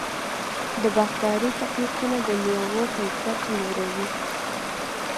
د باغدارۍ تخنیکونه د مېوو کیفیت لوړوي.